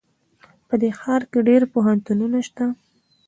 په دې ښار کې ډېر پوهنتونونه شته